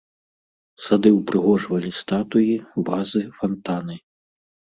Сады ўпрыгожвалі статуі, вазы, фантаны.